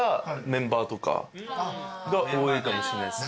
多いかもしれないですね。